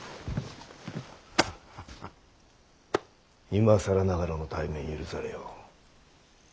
今更ながらの対面許されよ。